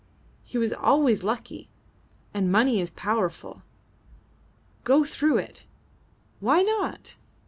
He was always lucky, and money is powerful! Go through it. Why not?